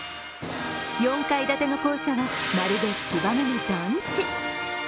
４階建ての校舎は、まるでつばめの団地。